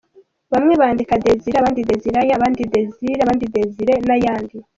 Bamwe bandika Desiree, Desirae, Désirée ,Désiré n’ayandi.